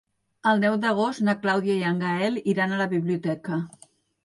El deu d'agost na Clàudia i en Gaël iran a la biblioteca.